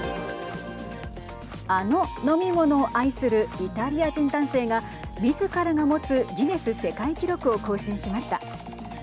あの飲み物を愛するイタリア人男性がみずからが持つギネス世界記録を更新しました。